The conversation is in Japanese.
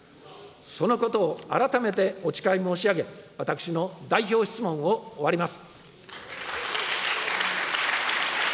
そのことを改めてお誓い申し上げ、私の代表質問を終わります。